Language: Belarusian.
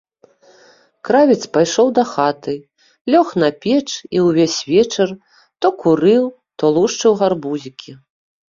Кравец пайшоў дахаты, лёг на печ і ўвесь вечар то курыў, то лушчыў гарбузікі.